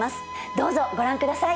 どうぞご覧ください！